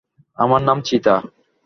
আমার নাম চিতা।